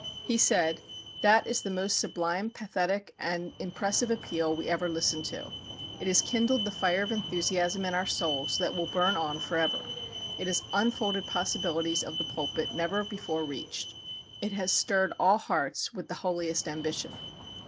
He said: "That is the most sublime, pathetic and impressive appeal we ever listened to. It has kindled the fire of enthusiasm in our souls that will burn on for ever. It has unfolded possibilities of the pulpit never before reached. It has stirred all hearts with the holiest ambition."